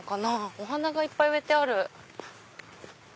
お花がいっぱい植えてある。